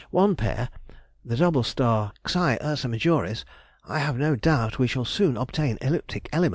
Of one pair (the double star ξ Ursa Majoris) I have no doubt we shall soon obtain elliptic elements.